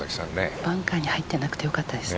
バンカーに入っていなくてよかったです。